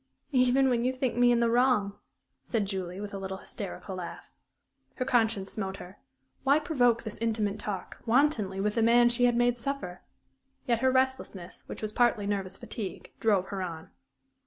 "Even when you think me in the wrong?" said Julie, with a little, hysterical laugh. Her conscience smote her. Why provoke this intimate talk wantonly with the man she had made suffer? Yet her restlessness, which was partly nervous fatigue, drove her on.